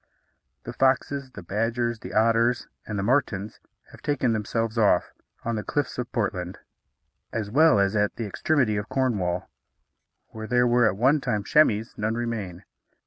The foxes, the badgers, the otters, and the martens have taken themselves off; on the cliffs of Portland, as well as at the extremity of Cornwall, where there were at one time chamois, none remain.